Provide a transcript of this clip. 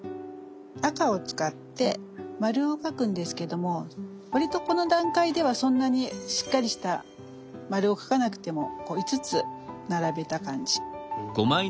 赤を使って丸を描くんですけども割とこの段階ではそんなにしっかりした丸を描かなくてもこう５つ並べた感じ。